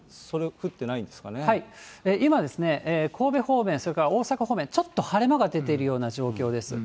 今、神戸方面、それから大阪方面、ちょっと晴れ間が出ているような状況です。